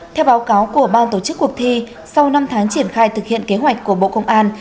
theo báo cáo của ban tổ chức cuộc thi sau năm tháng triển khai thực hiện kế hoạch của bộ công an